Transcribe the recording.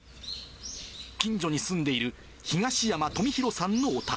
近所に住んでいる東山富弘さんのお宅。